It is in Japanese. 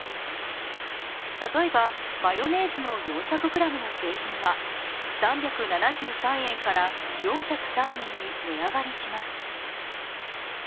例えば、マヨネーズの４００ｇの製品は３７３円から４０３円に値上がりします。